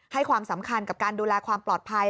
ให้ความสำคัญกับการดูแลความปลอดภัย